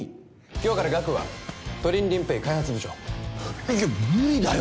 今日からガクはトリンリンＰａｙ開発部長いや無理だよ！